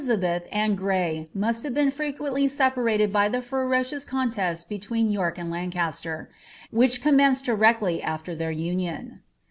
300* beth and Gny must have been frequently separated by the ferocious contest between York and Lancaster, which commenced directly aAer iheir union.